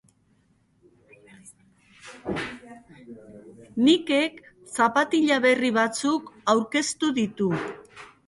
Nikek zapatila berri batzuk aurkeztu ditu.